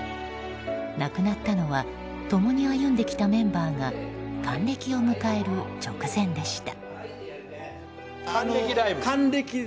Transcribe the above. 亡くなったのは共に歩んできたメンバーが還暦を迎える直前でした。